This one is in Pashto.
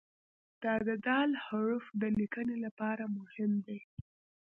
د "د" حرف د لیکنې لپاره مهم دی.